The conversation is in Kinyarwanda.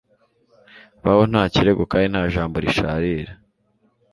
Baho nta kirego kandi nta jambo risharira